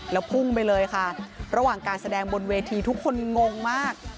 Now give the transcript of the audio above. แล้วพุ่งไปเลยค่ะระหว่างการแสดงบนเวทีทุกคนงงมาก